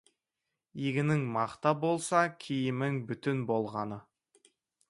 Егінің мақта болса, киімің бүтін болғаны.